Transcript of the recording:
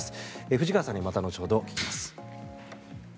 藤川さんにまた後ほど聞きます。